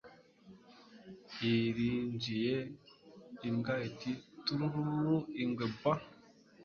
irinjiye imbwa iti Tururururu Ingwe baa